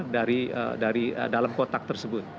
dari dalam kotak tersebut